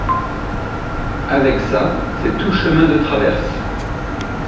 Avec ça, c'est tout chemins de traverse.